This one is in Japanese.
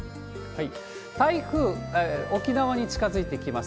台風、沖縄に近づいてきます。